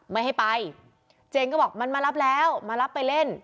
ไม่ให้ไปเจนก็บอกมันมารับแล้วมารับไปเล่น